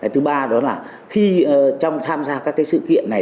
thứ ba đó là khi trong tham gia các sự kiện này